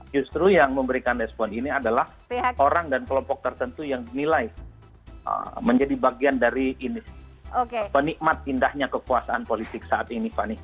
justru yang memberikan respon ini adalah orang dan kelompok tertentu yang dinilai menjadi bagian dari penikmat indahnya kekuasaan politik saat ini fani